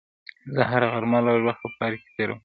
زه هره غرمه لږ وخت په پارک کې تېروم.